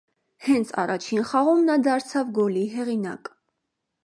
Հենց առաջին խաղում նա դարձավ գոլի հեղինակ։